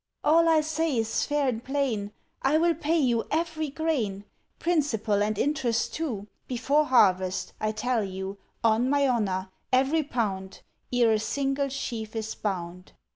"All I say is fair and plain, I will pay you every grain, Principal and interest too, Before harvest, I tell you, On my honour every pound, Ere a single sheaf is bound."